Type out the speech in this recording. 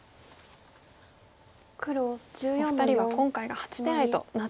お二人は今回が初手合となっております。